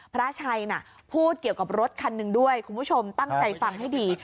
พระชัยน่ะพูดเกี่ยวกับรถคันหนึ่งด้วยคุณผู้ชมตั้งใจฟังให้ดี